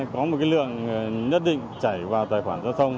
có một lượng nhất định chảy vào tài khoản giao thông